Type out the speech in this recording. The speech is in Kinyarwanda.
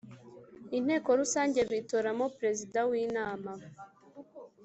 Inteko Rusange bitoramo Perezida w inama